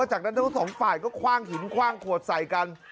จากนั้นทั้งสองฝ่ายก็คว่างหินคว่างขวดใส่กัน